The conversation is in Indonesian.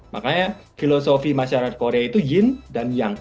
makanya filosofi masyarakat korea itu yin dan young